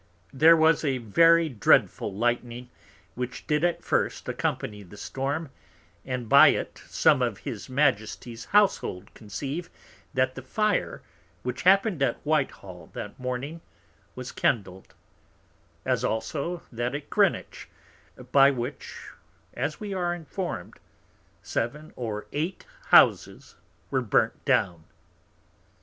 There was a very dreadful Lightning which did at first accompany the Storm, and by it some of his Majesty's Houshold conceive that the Fire which happened at Whitehall that Morning, was kindled; as also that at Greenwich, by which (as we are informed) seven or eight Houses were burnt down.